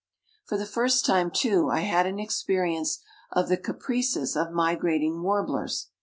For the first time, too, I had an experience of the caprices of migrating warblers.